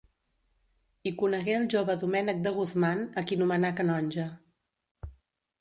Hi conegué el jove Domènec de Guzmán a qui nomenà canonge.